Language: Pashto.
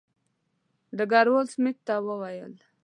ډګروال سمیت ته وویل شو.